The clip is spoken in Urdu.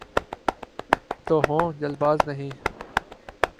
تو ہوں‘ جلد باز نہیں۔